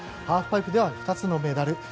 ハーフパイプでは２つのメダル。